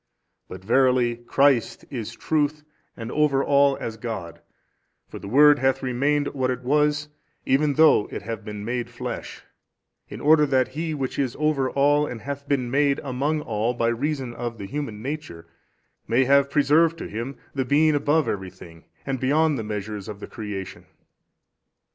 But verily CHRIST is truth and over all as God: for the Word hath remained what it was even though it have been made flesh, in order that He Which is over all and hath been made among all by reason of the human nature may have |315 preserved to Him the being above every thing and beyond the measures of the creation.